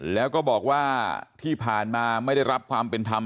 แล้วก็บอกว่าที่ผ่านมาไม่ได้รับความเป็นธรรม